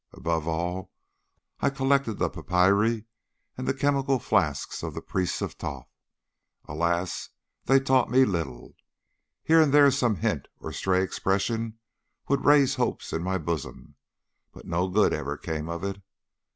Above all, I collected the papyri and the chemical flasks of the Priest of Thoth. Alas! they taught me little. Here and there some hint or stray expression would raise hope in my bosom, but no good ever came of it.